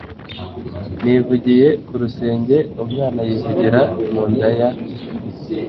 nivugiye ku rusenge, umwana yivugira mu nda ya